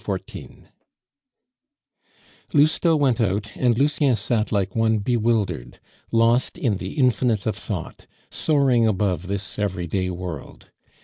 Lousteau went out, and Lucien sat like one bewildered, lost in the infinite of thought, soaring above this everyday world.